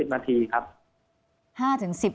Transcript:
๕๑๐นาทีครับ